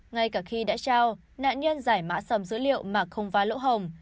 ngay cả khi đã trao nạn nhân giải mã sầm dữ liệu mà không vá lỗ hồng